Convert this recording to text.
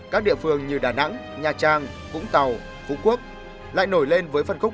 các địa phương như đà nẵng nha trang vũng tàu phú quốc lại nổi lên với phân khúc